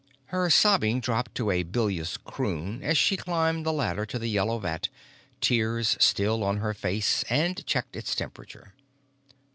Her sobbing dropped to a bilious croon as she climbed the ladder to the yellow vat, tears still on her face, and checked its temperature.